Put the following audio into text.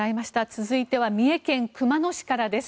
続いては三重県熊野市からです。